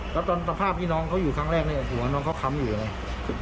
แล้วตอนสภาพที่น้องเขาอยู่ครั้งแรกเนี่ยหัวน้องเขาค้ำอยู่นะ